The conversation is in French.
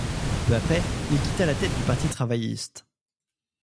Peu après, il quitta la tête du parti travailliste.